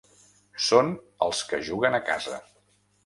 Són els que juguen a casa.